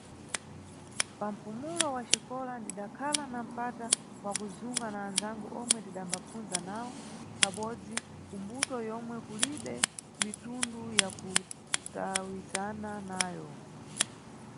Pa mpumulo wa xikola ndidakhala na mpata wa kuzunga na anzangu omwe ndidambapfunza nawo pabodzi ku mbuto yomwe kulibe mitundu ya kutawizana nayo.